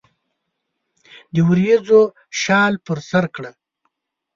دوریځو شال پر سرکړه